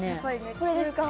これですね